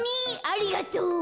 ありがとう。